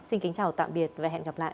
xin kính chào tạm biệt và hẹn gặp lại